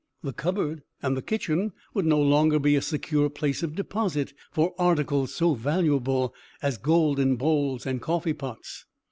The cupboard and the kitchen would no longer be a secure place of deposit for articles so valuable as golden bowls and coffee pots.